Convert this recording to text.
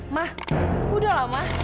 mah udah lah mah